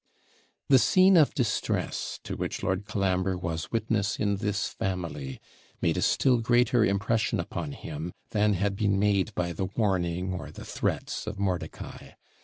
The scene of distress to which Lord Colambre was witness in this family made a still greater impression upon him than had been made by the warning or the threats of Mordicai.